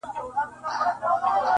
څو لفظونه مي د میني ورته ورکړه,